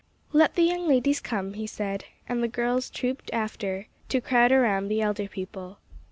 "Let the young ladies come," he said; and the girls trooped after, to crowd around the elder people.